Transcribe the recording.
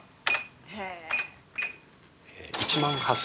へえ。